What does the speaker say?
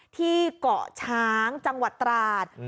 ที่เกาะช้างจังหวัดตราด